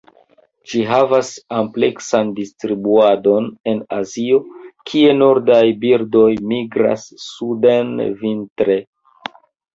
Ĝi havas ampleksan distribuadon en Azio kie nordaj birdoj migras suden vintre.